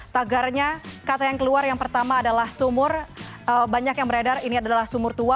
tagarnya kata yang keluar yang pertama adalah sumur banyak yang beredar ini adalah sumur tua